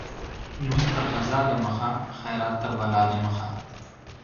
لمونځ تر قضا د مخه ، خيرات تر بلا د مخه.